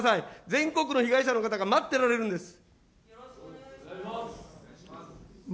全国の被害者の方が待っておられるんです。